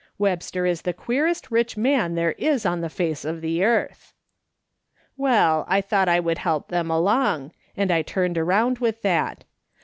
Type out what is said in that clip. Webster is the queerest rich man there is on the face of the earth.' " Well, I thought I would help them along, and I turned around with that.